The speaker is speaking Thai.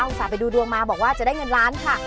ส่าห์ไปดูดวงมาบอกว่าจะได้เงินล้านค่ะ